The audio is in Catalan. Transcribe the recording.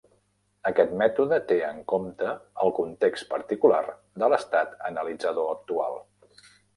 Aquest mètode té en compte el context particular de l'estat analitzador actual.